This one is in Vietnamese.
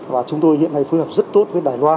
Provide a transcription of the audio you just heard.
và chúng tôi hiện nay phối hợp rất tốt với đài loan